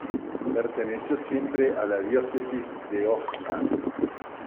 Perteneció siempre a la diócesis de Osma.